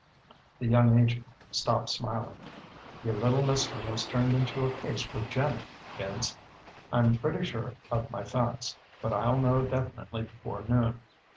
The young agent stopped smiling. "Your little mystery has turned into a case for JANIG, kids. I'm pretty sure of my facts, but I'll know definitely before noon.